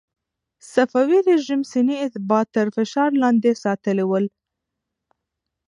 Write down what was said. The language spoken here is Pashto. صفوي رژیم سني اتباع تر فشار لاندې ساتلي ول.